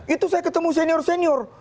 itu saya ketemu senior senior